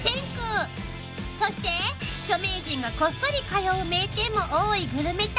［そして著名人がこっそり通う名店も多いグルメタウン］